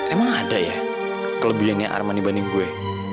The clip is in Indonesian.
emang ada ya kelebihannya arman dibanding gue